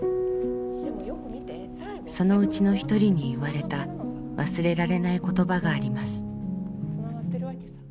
そのうちの一人に言われた忘れられない言葉があります。